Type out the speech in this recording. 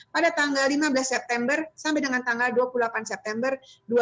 pada tanggal lima belas september sampai dengan tanggal dua puluh delapan september dua ribu dua puluh